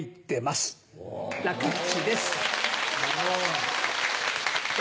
すごい。